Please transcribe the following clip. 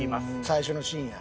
最初のシーンや。